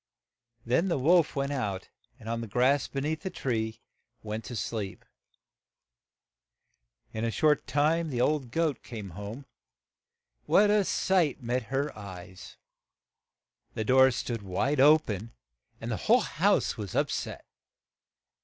Then the wolf went out, and on the grass be neath and went to sleep. In a short time the old goat came home. What a sight met her eyes ! The door stood wide o pen, and the whole house was up set.